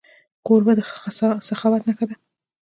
کوربه د سخاوت نښه ده.